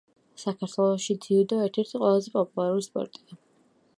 საქართველოში ძიუდო ერთ-ერთი ყველაზე პოპულარული სპორტია.